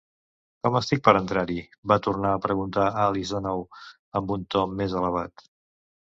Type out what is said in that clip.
'Com estic per entrar-hi?' va tornar a preguntar Alice de nou, amb un to més elevat.